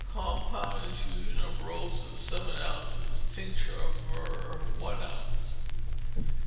Compound infusion of roses, seven ounces; tincture of myrrh, one ounce.